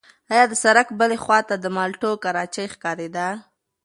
ایا د سړک بلې خوا ته د مالټو کراچۍ ښکارېده؟